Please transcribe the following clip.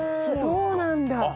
そうなんだ。